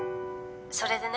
それでね」